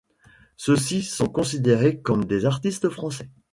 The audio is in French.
Ceux-ci sont considérés comme des artistes français.